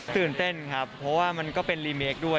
ตื่นเต้นครับเพราะว่ามันก็เป็นรีเมคด้วย